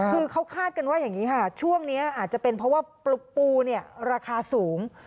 คือเขาคาดกันว่าอย่างนี้ค่ะช่วงนี้อาจจะเป็นเพราะว่าปูเนี่ยราคาสูง